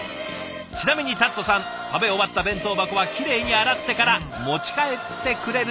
ちなみにタッドさん食べ終わった弁当箱はきれいに洗ってから持ち帰ってくれるそうです。